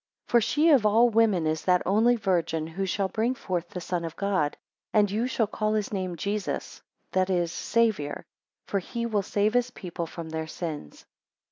11 For she of all women is that only Virgin who shall bring forth the Son of God, and you shall call his name Jesus, that is, Saviour: for he will save his people from their sins.